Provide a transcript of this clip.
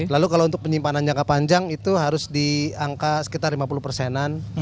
lalu kalau untuk penyimpanan jangka panjang itu harus di angka sekitar lima puluh persenan